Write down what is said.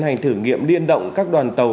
và đã tiến hành thử nghiệm liên động các đoàn tàu